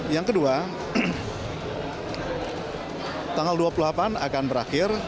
yang kedua tanggal dua puluh delapan akan berakhir